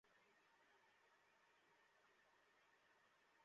Container এখানেই আছে।